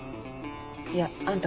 いやあんた